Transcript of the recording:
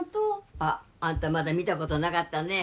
あああんたまだ見たことなかったね